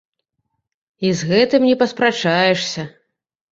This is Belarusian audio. І з гэтым не паспрачаешся.